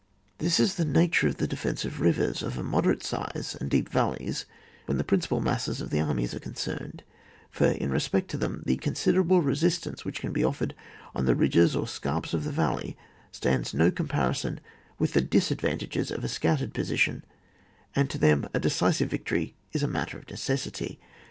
This is the nature of the defence of rivers of a moderate size and deep val leys when the principal masses of the armies are concerned, for in respect to them the considerable resistance which can be offered on the ridges or scarps of the valley stands no comparison with the disadvantages of a scattered position, and to them a decisive victory is a matter of necessity.